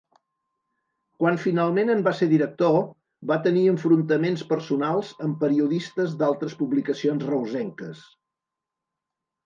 Quan finalment en va ser director, va tenir enfrontaments personals amb periodistes d'altres publicacions reusenques.